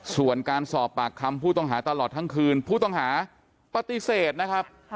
ส่วนการสอบปากคำผู้ต้องหาตลอดทั้งคืนผู้ต้องหาปฏิเสธนะครับ